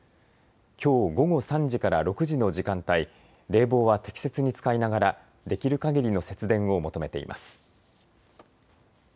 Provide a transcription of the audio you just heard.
きょう午後３時から６時の時間帯、冷房は適切に使いながらできるかぎりの節電を求めています。